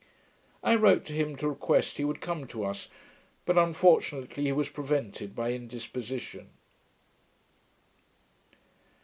I wrote to him to request he would come to us; but unfortunately he was prevented by indisposition.